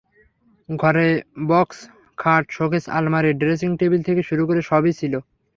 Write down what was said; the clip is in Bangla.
ঘরে বক্স খাট, শোকেস, আলমারি, ড্রেসিং টেবিল থেকে শুরু করে সবই ছিল।